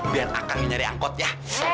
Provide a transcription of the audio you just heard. biar akan nyari angkot ya